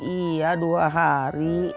iya dua hari